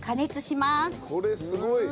これすごい。